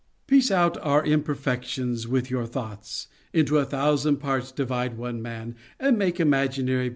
Piece out our imperfections with your thoughts ; Into a thousand parts divide one man, And make imaginary puissance.